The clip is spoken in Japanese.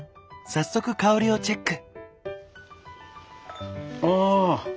早速香りをチェック。